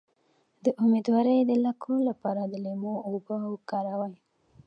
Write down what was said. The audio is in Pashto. د امیدوارۍ د لکو لپاره د لیمو اوبه وکاروئ